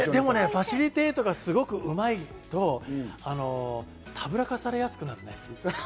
ファシリテイトがうまいとたぶらかされやすくなるね。